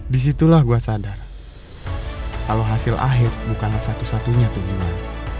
disitulah gue sadar kalau hasil akhir bukanlah satu satunya keinginan